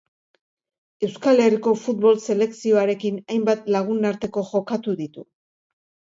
Euskal Herriko futbol selekzioarekin hainbat lagunarteko jokatu ditu.